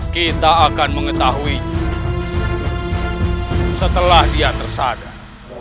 kita akan mengetahui setelah dia tersadar